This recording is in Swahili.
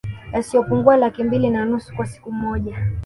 Yasiyopungua Laki mbili na nusu kwa siku moja